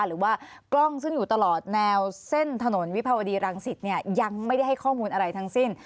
หรือว่ากล้องซึ่งอยู่ตลอดแนวเส้นถนนวิภาวดีรังสิตเนี่ยยังไม่ได้ให้ข้อมูลอะไรทั้งสิ้น